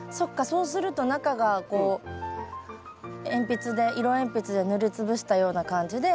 そうすると中がこう鉛筆で色鉛筆で塗りつぶしたような感じで。